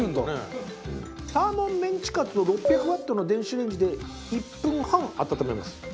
サーモンメンチカツを６００ワットの電子レンジで１分半温めます。